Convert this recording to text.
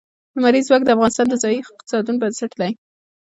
لمریز ځواک د افغانستان د ځایي اقتصادونو بنسټ دی.